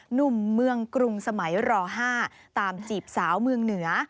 หนุ่มเมืองกรุงสมัยร๕ตามจีบสาวเมืองเหนือ